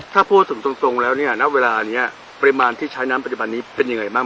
ถ้าพูดถึงตรงแล้วเนี่ยณเวลานี้ปริมาณที่ใช้น้ำปัจจุบันนี้เป็นยังไงบ้าง